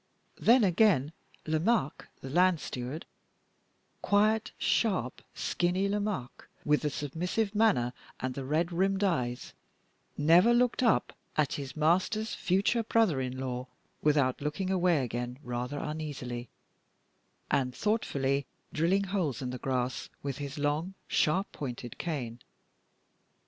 Then, again, Lomaque, the land steward quiet, sharp, skinny Lomaque, with the submissive manner, and the red rimmed eyes never looked up at his master's future brother in law without looking away again rather uneasily, and thoughtfully drilling holes in the grass with his long sharp pointed cane.